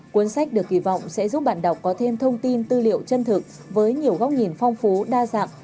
cuốn sách được kỳ vọng sẽ giúp bạn đọc có thêm thông tin tư liệu chân thực với nhiều góc nhìn phong phú đa dạng